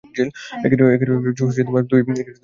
তুই ওঠ জিল।